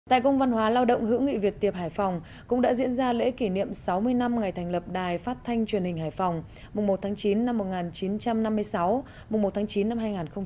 tại công văn hóa lao động hữu nghị việt tiệp hải phòng cũng đã diễn ra lễ kỷ niệm sáu mươi năm ngày thành lập đài phát thanh truyền hình hải phòng mùng một tháng chín năm một nghìn chín trăm năm mươi sáu mùng một tháng chín năm hai nghìn hai mươi